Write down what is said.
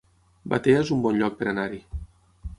Batea es un bon lloc per anar-hi